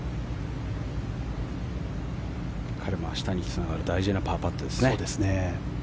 彼の明日につながる大事なパーパットです。